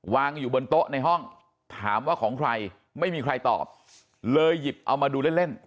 วางอยู่บนโต๊ะในห้องถามว่าของใครไม่มีใครตอบเลยหยิบเอามาดูเล่นเล่น